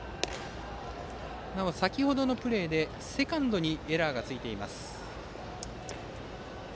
なお、先程のプレーでセカンドにエラーがついています。